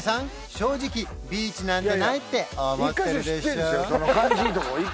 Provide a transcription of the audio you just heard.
正直ビーチなんてないって思ってるでしょ？